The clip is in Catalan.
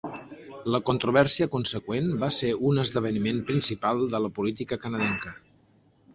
La controvèrsia conseqüent va ser un esdeveniment principal de la política canadenca.